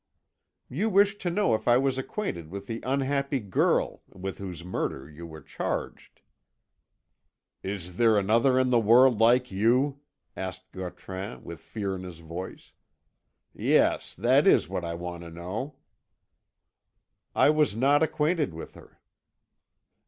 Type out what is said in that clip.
"You wish to know if I was acquainted with the unhappy girl with whose murder you were charged." "Is there another in the world like you?" asked Gautran, with fear in his voice. "Yes, that is what I want to know." "I was not acquainted with her."